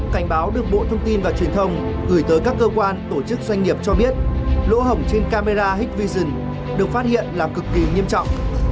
cảnh báo được bộ thông tin và truyền thông gửi tới các cơ quan tổ chức doanh nghiệp cho biết lỗ hỏng trên camera hec vision được phát hiện là cực kỳ nghiêm trọng